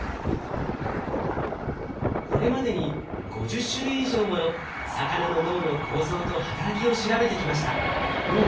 これまでに５０種類以上もの魚の脳の構造と働きを調べてきました。